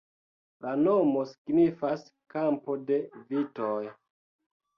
La nomo signifas "kampo de vitoj".